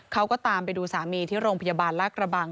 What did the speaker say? เขาก็ตามไปดูสามีที่โรงพยาบาลลากระบัง